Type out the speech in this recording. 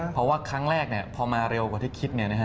เพราะว่าครั้งแรกพอมาเร็วกว่าที่คิด